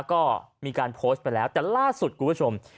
ก็มีการโพสต์ไปแล้วแต่ล่าสุดคุณผู้ชม